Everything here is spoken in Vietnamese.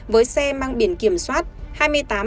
với xe mang biển kiểm soát